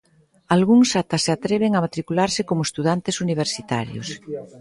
Algúns ata se atreven a matricularse como estudantes universitarios.